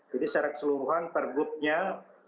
jadi secara keseluruhan perbuatan